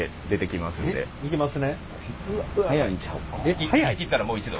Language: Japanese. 行き切ったらもう一度。